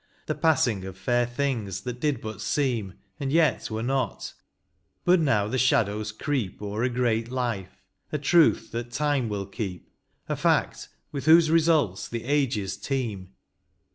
The passing of fair things that did but seem. And yet were not, — but now the shadows creep O'er a great life, a truth that Time wiU keep, A fact, with whose results the ages teem.